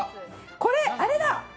これ、あれだ！